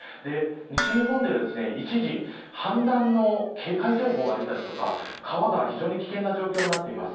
西日本で一時氾濫の警戒情報が出たりとか川が非常に危険な状況になっています。